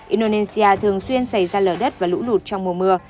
indonesia thường xuyên xảy ra lở đất và lũ lụt trong mùa mưa